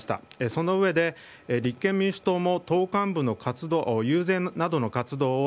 そのうえで、立憲民主党も党幹部の遊説などの活動を